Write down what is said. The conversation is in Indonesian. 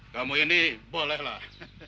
kamu ini bolehlah